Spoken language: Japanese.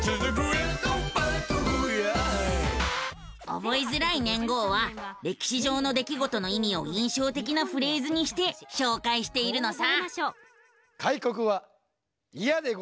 覚えづらい年号は歴史上の出来事の意味を印象的なフレーズにして紹介しているのさ。